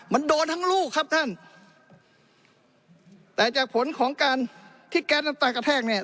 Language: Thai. มันโดนทั้งลูกครับท่านแต่จากผลของการที่แก๊สน้ำตากระแทกเนี่ย